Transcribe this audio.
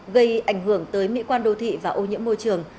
gây ảnh hưởng tới mỹ quan đô thị và ô nhiễm môi trường